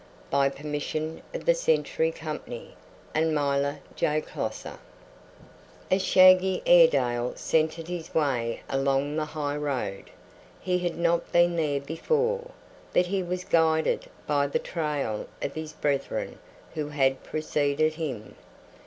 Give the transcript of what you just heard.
By permission of the Century Company and Myla J. Closser. A shaggy Airedale scented his way along the highroad. He had not been there before, but he was guided by the trail of his brethren who had preceded him.